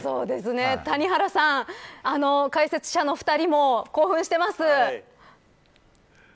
谷原さん、解説者の２人も興奮しています。